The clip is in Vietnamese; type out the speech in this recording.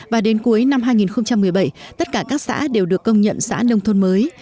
và đến cuối năm hai nghìn một mươi bảy tất cả các xã đều được công nhận xã nông thôn mới